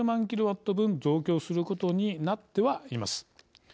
キロワット分増強することになってはいます。